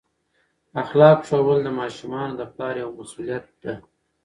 اخلاق ښوول د ماشومانو د پلار یوه مسؤلیت ده.